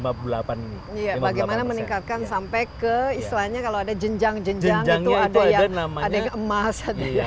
iya bagaimana meningkatkan sampai ke istilahnya kalau ada jenjang jenjang itu ada yang emas